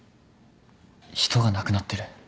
人が亡くなってる。